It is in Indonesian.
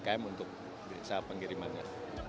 jadi umkm untuk bisa pengirimannya